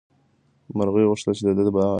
مرغۍ غوښتل چې د ده باطني صفت په ظاهر ښکاره شي.